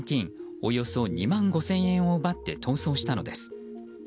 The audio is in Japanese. およそ２万５０００円を奪って逃走したのです。